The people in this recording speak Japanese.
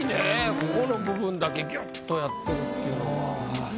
ここの部分だけギュっとやってるっていうのは。